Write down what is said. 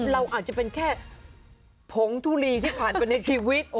เราอาจจะเป็นแค่ผงทุรีที่ผ่านไปในชีวิต